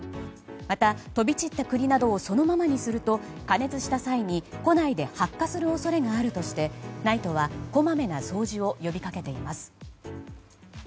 また飛び散った栗などをそのままにすると加熱した際に庫内で発火する恐れがあるとしてＮＩＴＥはこまめな掃除を呼びかけています。